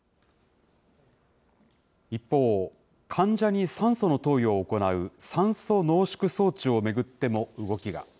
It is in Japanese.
一方、患者に酸素の投与を行う酸素濃縮装置を巡っても動きが。